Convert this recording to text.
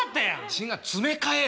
違う詰め替えよ。